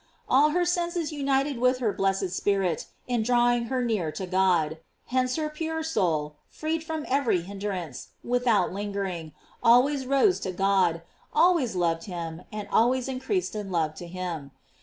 All her senses united with her blessed spirit in drawing her near to God. Hence her pure soul, freed from every hindrance, without lingering, always rose to God, always loved him, and always increased in love to him.